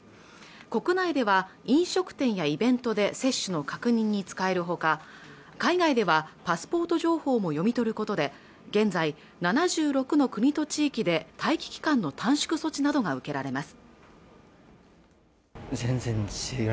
国内では飲食店やイベントで接種の確認に使えるほか海外ではパスポート情報も読み取ることで現在７６の国と地域で待機期間の短縮措置などが受けられます